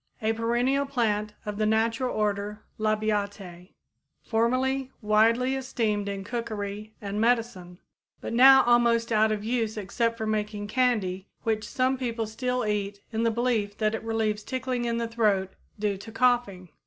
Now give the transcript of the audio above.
a perennial plant of the natural order Labiatæ, formerly widely esteemed in cookery and medicine, but now almost out of use except for making candy which some people still eat in the belief that it relieves tickling in the throat due to coughing.